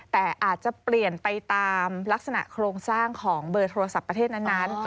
แต่อาจจะเปลี่ยนไปตามลักษณะโครงสร้างของเบอร์โทรศัพท์ประเทศนั้น